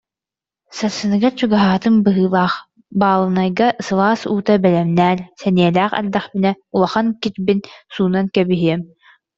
Сарсыныгар: «Чугаһаатым быһыылаах баалынайга сылаас уута бэлэмнээр, сэниэлээх эрдэхпинэ улахан кирбин суунан кэбиһиэм»